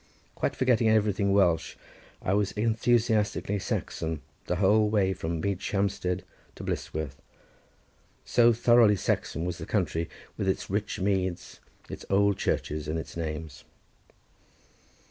Quite forgetting everything Welsh, I was enthusiastically Saxon the whole way from Medeshampsted to Blissworth, so thoroughly Saxon was the country, with its rich meads, its old churches, and its names.